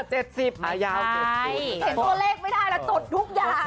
เห็นตัวเลขไม่ได้แล้วจดทุกอย่าง